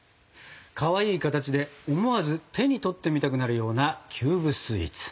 かわいい形で思わず手に取ってみたくなるようなキューブスイーツ。